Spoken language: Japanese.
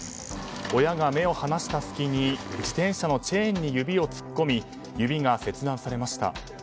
親が目を離した隙に自転車のチェーンに指を突っ込み指が切断されました。